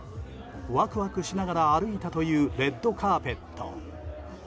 ワクワクしながら歩いたというレッドカーペット。